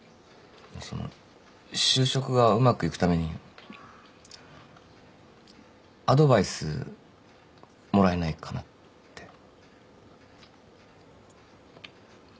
その就職がうまくいくためにアドバイスもらえないかなって。